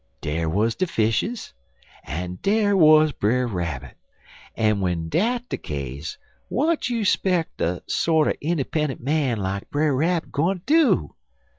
Dar wuz de fishes, en dar wuz Brer Rabbit, en w'en dat de case w'at you speck a sorter innerpen'ent man like Brer Rabbit gwine do?